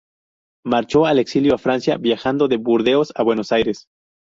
Marchó al exilio a Francia, viajando de Burdeos a Buenos Aires.